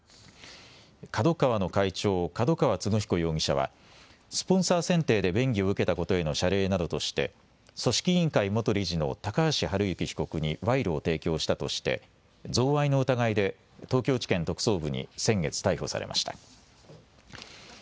ＫＡＤＯＫＡＷＡの会長、角川歴彦容疑者はスポンサー選定で便宜を受けたことへの謝礼などとして組織委員会元理事の高橋治之被告に賄賂を提供したとして贈賄の疑いで東京地検特捜部に先月逮捕されました。